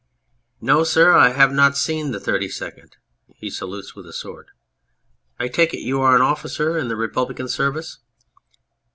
No, sir, I have not seen the Thirty second. (He salutes with a sword.) I take it you are an officer in the Republican service